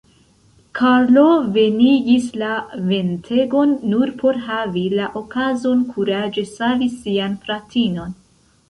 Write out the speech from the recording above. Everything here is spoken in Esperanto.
Karlo venigis la ventegon nur por havi la okazon kuraĝe savi sian fratinon.